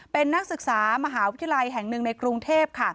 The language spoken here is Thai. เป็นนักศึกษามหาวิทยาลัยแห่งหนึ่งในกรุงเทพ